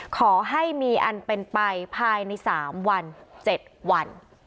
ขอให้มีอันเป็นไปภายใน๓วัน๗วัน